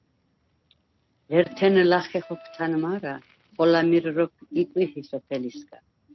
ლერთენ ლახე ხოქვთა̈ნ მა̄რა, ხოლა მირ როქვ იკვიჰი სოფელისგა.